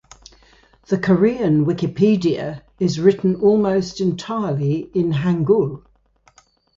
The Korean Wikipedia is written almost entirely in hangul.